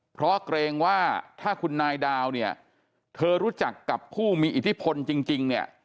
เพราะเกรงว่าถ้าคุณนายดาวเนี่ยเธอรู้จักกับผู้มีอิทธิพลจริงเนี่ย